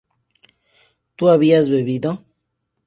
¿tú habías bebido?